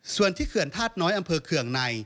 ส่วนที่เขื่อนธาตุน้อยอำเภอเคืองใน